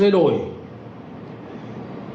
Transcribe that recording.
quy trình xây dựng